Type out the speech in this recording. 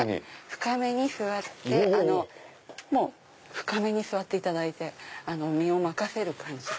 深めに座っていただいて身を任せる感じで。